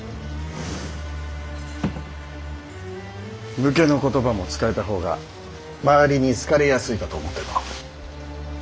武家の言葉も使えた方が周りに好かれやすいかと思うての。